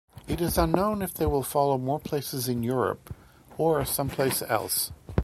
It's unknown if there will follow more places in Europe, or someplace else.